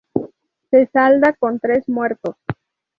Se salda con tres muertos.